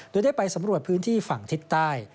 โดยได้ไปสำรวจพื้นที่ฝั่งทิศใต้